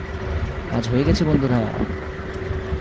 কাজ হয়ে গেছে বন্ধুরা!